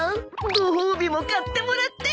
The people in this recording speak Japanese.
ご褒美も買ってもらって。